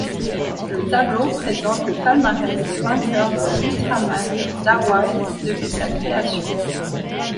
Le tableau présente le palmarès des vainqueurs de l'Ultraman d'Hawaï depuis sa création.